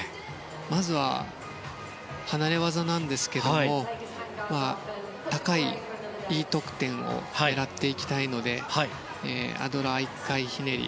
まず、離れ技なんですが高いＥ得点を狙っていきたいのでアドラー１回ひねり